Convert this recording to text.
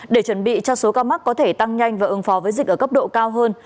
để chuẩn bị cho số ca mắc có thể tăng nhanh và ứng phó với dịch ở cấp độ cao hơn